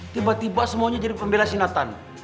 tiba tiba semuanya jadi pembelan si nathan